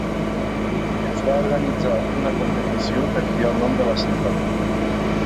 Es va organitzar una competició per triar el nom de l'assentament.